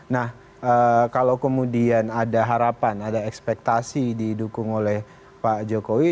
nah kalau kemudian ada harapan ada ekspektasi didukung oleh pak jokowi